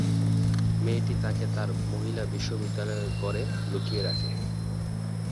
মেয়েটি তাকে তার মহিলা বিশ্ববিদ্যালয়ের ঘরে লুকিয়ে রাখে।